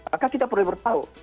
maka kita perlu beritahu